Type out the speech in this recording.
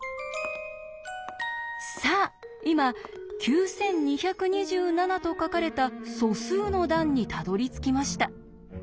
さあ今「９２２７」と書かれた素数の段にたどりつきました。